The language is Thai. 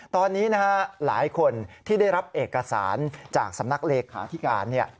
ตอนนี้นะฮะหลายคนที่ได้รับเอกสารจากสำนักเลขาธิการ